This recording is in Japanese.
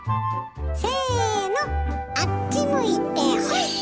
せのあっち向いてホイ！